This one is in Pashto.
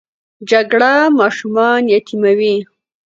جګړه ماشومان یتیموي